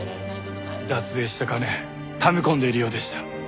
脱税した金ため込んでいるようでした。